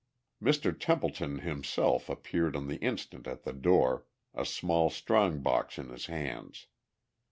Mr. Templeton himself appeared on the instant at the door, a small strong box in his hands.